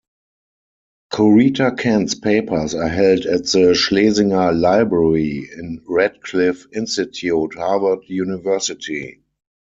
Corita Kent's papers are held at the Schlesinger Library, in Radcliffe Institute, Harvard University.